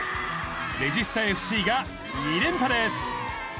レジスタＦＣが２連覇です。